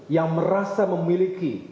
yang merasa memiliki